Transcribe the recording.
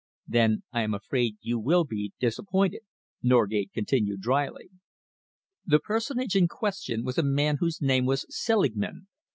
"Then I am afraid you will be disappointed," Norgate continued drily. "The personage in question was a man whose name was Selingman.